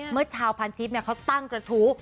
เมื่อชาวพันทิพย์เขาตั้งกระทู้